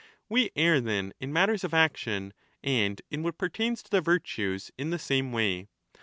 We err, then, in matters of action and in what pertains to the virtues in the same way.